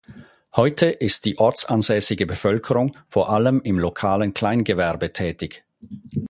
Heute ist die ortsansässige Bevölkerung vor allem im lokalen Kleingewerbe tätig.